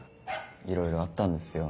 いろいろあったんですよ。